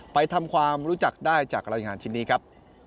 ไปทำความรู้จักได้จากรายงานชิ้นนี้ครับ